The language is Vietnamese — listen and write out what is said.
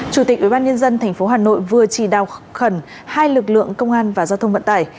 chủ tịch ubnd tp hcm vừa chỉ đào khẩn hai lực lượng công an và giao thông vận tải